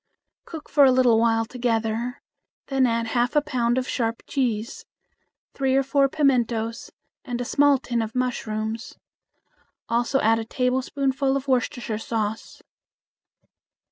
Cook for a little while together, then add half a pound of sharp cheese, three or four pimentos, and a small tin of mushrooms; also add a tablespoonful of Worcestershire sauce.